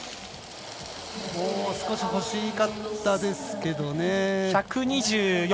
もう少し欲しかったですけどね。